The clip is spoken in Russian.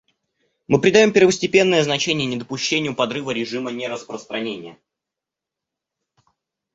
Мы придаем первостепенное значение недопущению подрыва режима нераспространения.